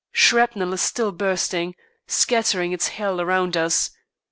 Shrapnel is still bursting, scattering its hail around us.